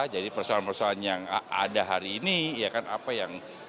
jadi persoalan persoalan yang ada hari ini ya kan apa yang